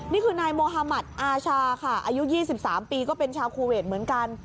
นี่คือนายโมฮามัติอาชาค่ะอายุ๒๓ปีก็เป็นชาวคูเวทเหมือนกัน